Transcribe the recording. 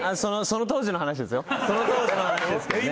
その当時の話ですけどね。